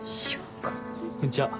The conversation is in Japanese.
こんちは。